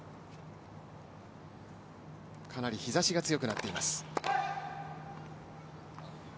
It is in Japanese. かなり日ざしが強くなっています。